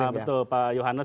betul pak johannes